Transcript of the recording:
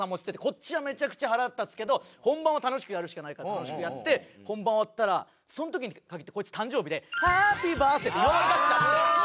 こっちはめちゃくちゃ腹立つけど本番は楽しくやるしかないから楽しくやって本番終わったらその時に限ってこいつ誕生日で「Ｈａｐｐｙｂｉｒｔｈｄａｙ」って祝われだしちゃって。